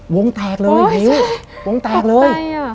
วงแตกเลย